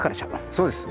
そうです。